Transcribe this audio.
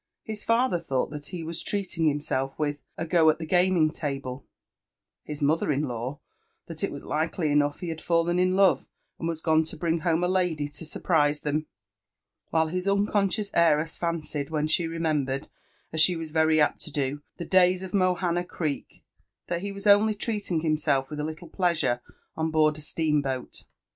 His father thought that he was treating himself with ''a go'' at the gaming table ; his mother in law, that it was likely enough he had fallen in love, and was gone to l]f ing home a lady to surprise them ; while his unconscious heiress fancied, when she remembeired, as she was very apt to do, the days of Mohanna Creek, that be was only treat ing himself with a little pleasure on board a steam boat.